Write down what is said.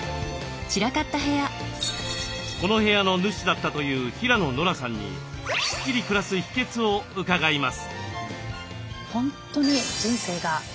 この部屋の主だったという平野ノラさんにスッキリ暮らす秘けつを伺います。